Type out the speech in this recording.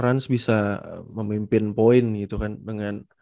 rans bisa memimpin poin gitu kan dengan